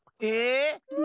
え！